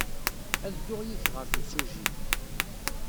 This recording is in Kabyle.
Ad dduɣ yid-k ɣer temsujjit.